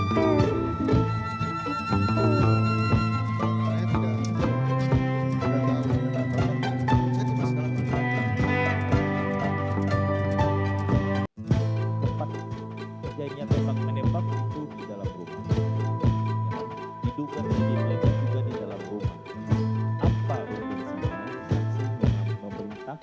tempat kerjanya tempat menembak itu di dalam rumah